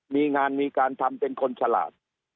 มีงานมีการทำเป็นคนฉลาด